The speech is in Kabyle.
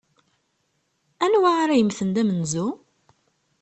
Anwa ara yemmten d amenzu?